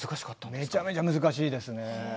めちゃめちゃ難しいですよ。